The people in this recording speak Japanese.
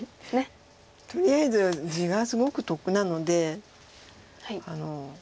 とりあえず地がすごく得なので。